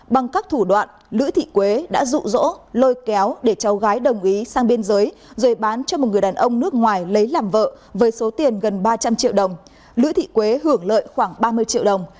bằng các thủ đoạn lữ thị quế đã rụ rỗ lôi kéo để cháu gái đồng ý sang biên giới rồi bán cho một người đàn ông nước ngoài lấy làm vợ với số tiền gần ba trăm linh triệu đồng